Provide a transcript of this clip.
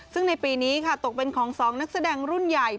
ซึ่งในปีนี้ค่ะตกเป็นของ๒นักแสดงรุ่นใหญ่